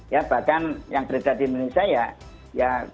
ya bahkan yang beredar di indonesia ya